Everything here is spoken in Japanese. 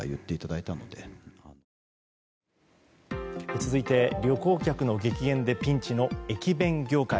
続いて、旅行客の激減でピンチの駅弁業界。